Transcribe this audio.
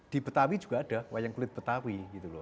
di betawi juga ada wayang kulit betawi gitu loh